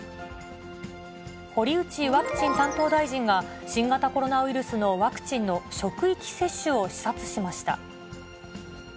堀内ワクチン担当大臣が、新型コロナウイルスのワクチンの職域接種を視察しました。